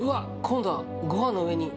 今度はご飯の上に。